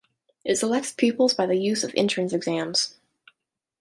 It selects pupils by the use of entrance exams.